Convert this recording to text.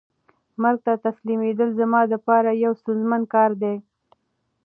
مرګ ته تسلیمېدل زما د پاره یو ستونزمن کار دی.